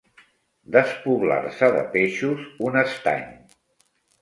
Despoblar-se de peixos un estany.